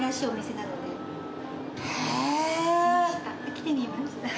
来てみました。